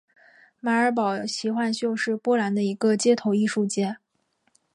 马尔堡奇幻秀是波兰的一个街头艺术节。